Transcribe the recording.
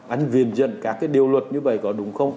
anh viêm dân các cái điều luật như vậy có đúng không